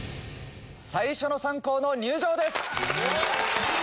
最初の３校の入場です！